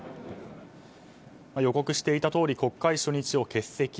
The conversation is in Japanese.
予告していたとおり国会初日を欠席。